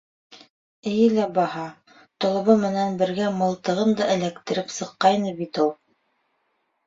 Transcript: Эйе лә баһа: толобо менән бергә мылтығын да эләктереп сыҡҡайны бит ул!